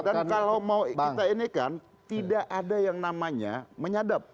karena kalau mau kita ini kan tidak ada yang namanya menyadap